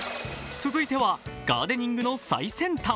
続いてはガーデニングの最先端。